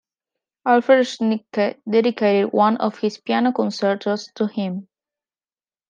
Alfred Schnittke dedicated one of his piano concertos to him.